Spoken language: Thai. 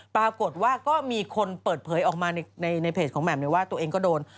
ปรากฏว่าก็มีคนเปิดเผยออกมาในเพจของแหม่มเลยว่าตัวเองก็โดน